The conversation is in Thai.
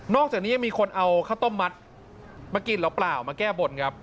อกจากนี้ยังมีคนเอาข้าวต้มมัดมากินหรือเปล่ามาแก้บนครับ